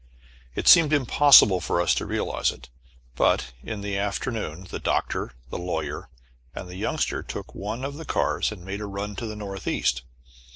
It seemed impossible for us to realize it, but, in the afternoon the Doctor, the Lawyer, and the Youngster took one of the cars, and made a run to the northeast.